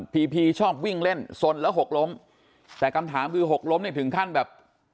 พีพีชอบวิ่งเล่นสนแล้วหกล้มแต่คำถามคือหกล้มเนี่ยถึงขั้นแบบ